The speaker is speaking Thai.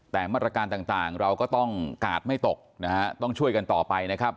แต่มาตรการต่างเราก็ต้องกาดไม่ตกนะฮะต้องช่วยกันต่อไปนะครับ